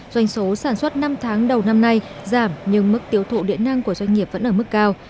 doanh số sản xuất năm tháng đầu năm nay giảm nhưng mức tiêu thụ điện năng của doanh nghiệp vẫn ở mức cao